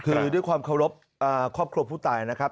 คือด้วยความเคารพครอบครัวผู้ตายนะครับ